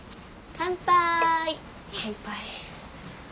乾杯。